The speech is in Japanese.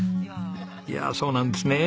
いやあそうなんですねえ。